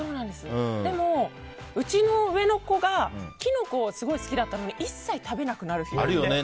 でも、うちの上の子がキノコがすごい好きだったのに一切食べなくなる日があって。